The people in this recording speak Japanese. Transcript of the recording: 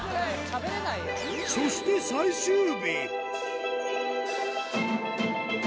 そして最終日。